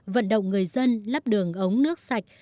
vận động người dân lắp đường ống nước sạch